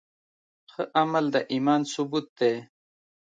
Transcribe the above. ښه عمل د ایمان ثبوت دی.